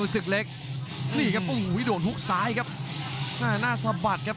ศึกเล็กนี่ครับโอ้โหโดนฮุกซ้ายครับหน้าสะบัดครับ